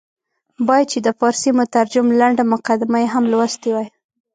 باید چې د فارسي مترجم لنډه مقدمه یې هم لوستې وای.